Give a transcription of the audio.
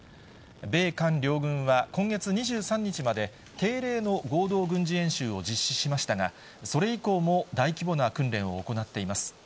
米韓両軍は、今月２３日まで、定例の合同軍事演習を実施しましたが、それ以降も大規模な訓練を行っています。